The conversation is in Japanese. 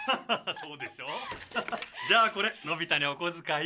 じゃあこれのび太にお小遣い。